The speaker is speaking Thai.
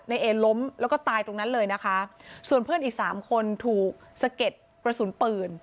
เอล้มแล้วก็ตายตรงนั้นเลยนะคะส่วนเพื่อนอีกสามคนถูกสะเก็ดกระสุนปืน